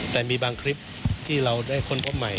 แต่มีบางคลิปที่เราได้ค้นพบใหม่